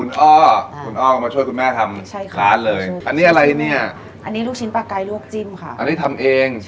ลูกสาวคนโตคุณอ้อค่ะ